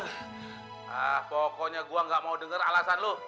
nah pokoknya gue gak mau denger alasan lo